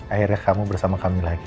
akhirnya kamu bersama kami lagi